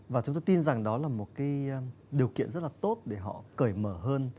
và chúng tôi tin rằng đó là một cái điều kiện rất là tốt để họ cởi mở hơn